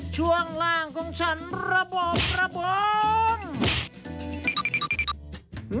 ช่วงล่างของฉันระบอบระบอง